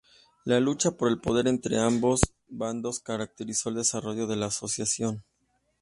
La lucha por el poder entre ambos bandos caracterizó el desarrollo de la asociación.